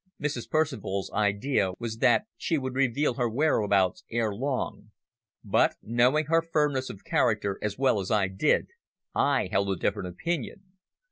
Mrs. Percival's idea was that she would reveal her whereabouts ere long, but, knowing her firmness of character as well as I did, I held a different opinion.